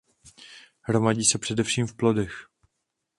Hromadí se především v plodech.